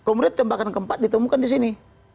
kemudian tembakan keempat ditemukan di sini